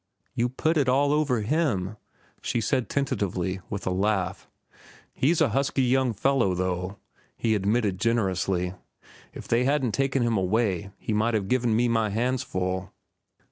"You put it all over him," she said tentatively, with a laugh. "He's a husky young fellow, though," he admitted generously. "If they hadn't taken him away, he might have given me my hands full."